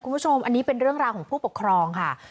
คุณผู้ชมอันนี้เป็นเรื่องราวของผู้ปกครองค่ะ